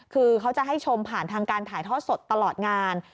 คือเขาจะให้ชมผ่านทางการถ่ายทอดสดตลอดงาน